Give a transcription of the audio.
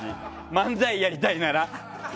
漫才やりたいなら。